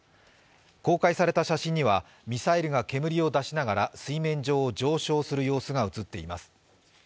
公開された写真にはミサイルが煙を出しながら水面上を上昇する様子が映っています。